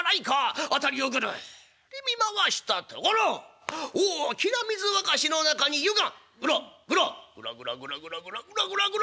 辺りをぐるり見回したところ大きな水沸かしの中に湯がぐらっぐらっぐらぐらぐらぐらぐらぐらぐらぐら！